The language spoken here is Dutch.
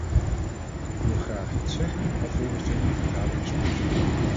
Ik wil graag iets zeggen alvorens ik de vergadering schors.